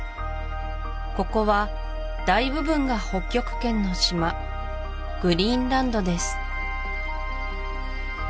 ここは大部分が北極圏の島グリーンランドです